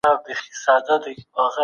ملي شورا قونسلي خدمات نه ځنډوي.